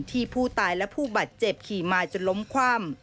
ที่ผู้ตายและผู้บาดเจ็บขี่มาจนล้มคว่ำ